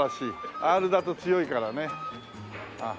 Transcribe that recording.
アールだと強いからね。